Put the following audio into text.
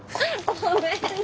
ごめんね。